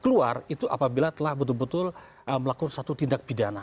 keluar itu apabila telah betul betul melakukan satu tindak pidana